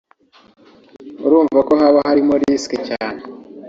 urumva ko haba harimo risques cyane